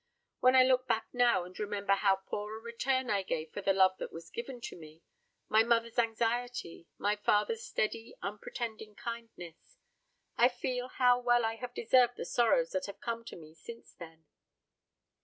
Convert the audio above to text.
When I look back now and remember how poor a return I gave for the love that was given to me my mother's anxiety, my father's steady, unpretending kindness I feel how well I have deserved the sorrows that have come to me since then."